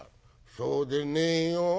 「そうでねえよ。